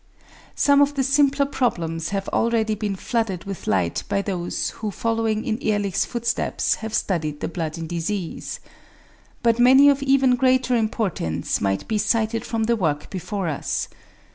Some of the simpler problems have already been flooded with light by those who following in Ehrlich's footsteps have studied the blood in disease. But many of even greater importance might be cited from the work before us.